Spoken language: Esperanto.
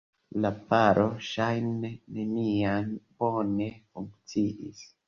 La paro ŝajne neniam bone funkciis.